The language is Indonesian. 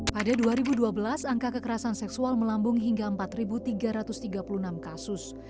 pada dua ribu dua belas angka kekerasan seksual melambung hingga empat tiga ratus tiga puluh enam kasus